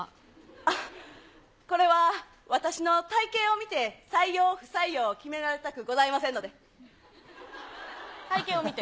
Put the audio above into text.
あっ、これは私の体形を見て採用、不採用を決められたくございませ体形を見て？